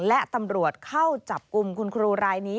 และตำรวจเข้าจับกลุ่มคุณครูรายนี้